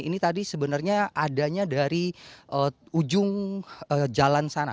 ini tadi sebenarnya adanya dari ujung jalan sana